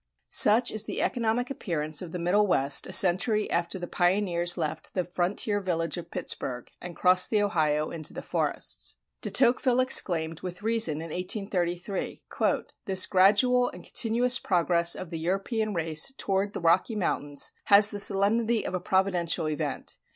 Such is the economic appearance of the Middle West a century after the pioneers left the frontier village of Pittsburgh and crossed the Ohio into the forests. De Tocqueville exclaimed, with reason, in 1833: "This gradual and continuous progress of the European race toward the Rocky Mountains has the solemnity of a providential event.